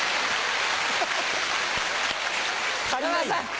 足りないの。